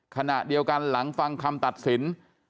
ขณะเดียวกันหลังฟังคำตัดสิน